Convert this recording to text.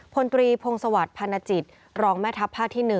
พลตรีพงศวรรคพันจิตรองแม่ทัพภาคที่๑